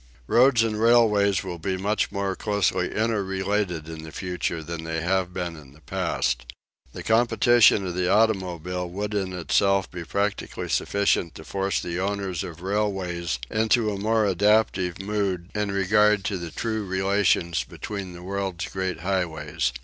Roads and railways will be much more closely inter related in the future than they have been in the past. The competition of the automobile would in itself be practically sufficient to force the owners of railways into a more adaptive mood in regard to the true relations between the world's great highways.